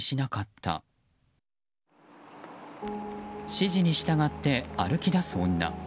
指示に従って歩き出す女。